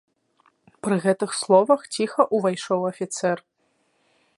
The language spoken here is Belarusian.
Пры гэтых словах ціха ўвайшоў афіцэр.